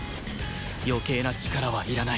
余計な力はいらない